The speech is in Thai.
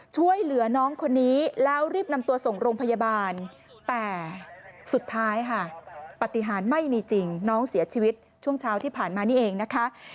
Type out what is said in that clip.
แต่ไม่มีจริงน้องเสียชีวิตช่วงเช้าที่ผ่านมานี่เองนะคะ